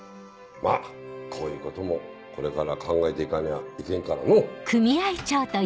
まぁこういうこともこれから考えて行かにゃいけんからのう。